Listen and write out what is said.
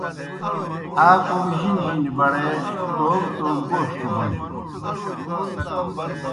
آ کوْم جِنی جِنیْ بڑے توموْ توموْ گوݜٹھہ بوجہ۔